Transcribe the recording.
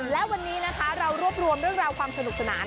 และวันนี้นะคะเรารวบรวมเรื่องราวความสนุกสนาน